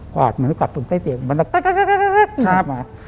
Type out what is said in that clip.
มันจะกลับไปคาบมา